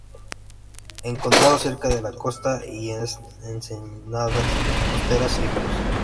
Encontrado cerca de la costa y en ensenadas costeras y ríos.